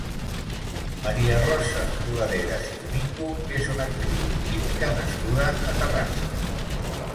Maria Rosa Boladeras i Domingo és una actriu i política nascuda a Terrassa.